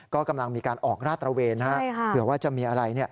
ก็กำลังมีการออกราดตระเวนเผื่อว่าจะมีอะไร